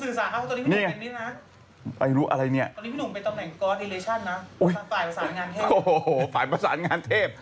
ฝ่ายภาษางานเทพฯโอ้โฮฝ่ายภาษางานเทพฯ